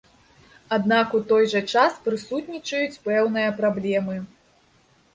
Аднак у той жа час прысутнічаюць пэўныя праблемы.